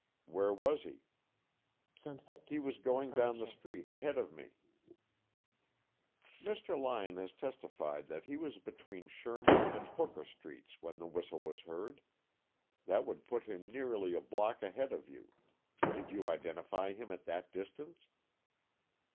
"Where was he?" "He was going down the street ahead of me." "Mr. Lyon has testified that he was between Sherman and Hooker Streets when the whistle was heard. That would put him nearly a block ahead of you. Did you identify him at that distance?"